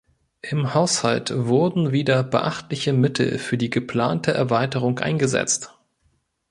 Im Haushalt wurden wieder beachtliche Mittel für die geplante Erweiterung eingesetzt.